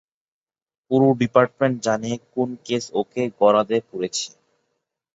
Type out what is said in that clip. পুরো ডিপার্টমেন্ট জানে কোন কেস ওকে গরাদে পুরেছে।